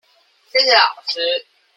謝謝老師